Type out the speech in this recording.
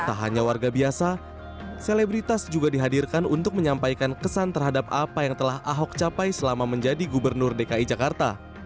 tak hanya warga biasa selebritas juga dihadirkan untuk menyampaikan kesan terhadap apa yang telah ahok capai selama menjadi gubernur dki jakarta